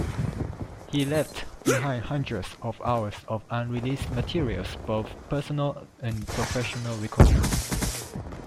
He left behind hundreds of hours of unreleased materials, both personal and professional recordings.